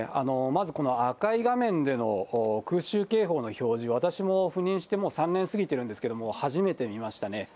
まずこの赤い画面での空襲警報の表示、私も赴任してもう３年過ぎてるんですけれども、初めて見ましたね。